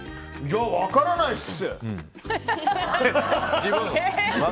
自分分からないっす！